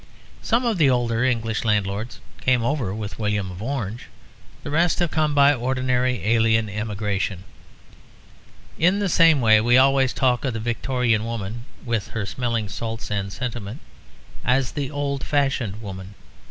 Some of the older English landlords came over with William of Orange; the rest have come by ordinary alien immigration. In the same way we always talk of the Victorian woman (with her smelling salts and sentiment) as the old fashioned woman.